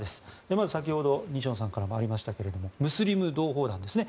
まず先ほど西野さんからもありましたがムスリム同胞団ですね。